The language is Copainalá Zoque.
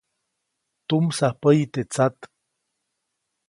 Tumsaj päyi te tsat.